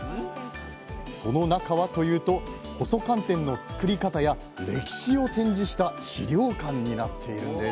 その中はというと細寒天の作り方や歴史を展示した資料館になっているんです。